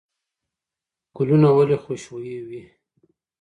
ګلونه ولې خوشبویه وي؟